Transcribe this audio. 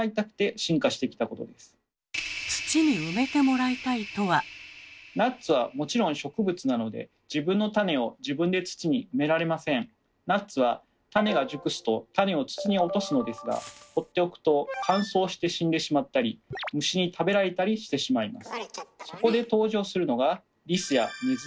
それはナッツはもちろん植物なのでナッツは種が熟すと種を土に落とすのですがほっておくと乾燥して死んでしまったり虫に食べられたりしてしまいます。